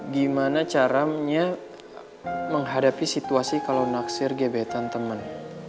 gimana caranya menghadapi situasi kalau naksir gebetan teman